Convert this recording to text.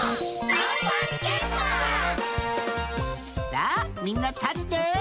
さあみんな立って！